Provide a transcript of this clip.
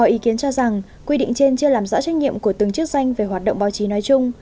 ý kiến cho rằng quy định trên chưa làm rõ trách nhiệm của từng chức danh về hoạt động báo chí nói chung